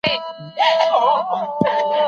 ځینې خلک تښتیدل.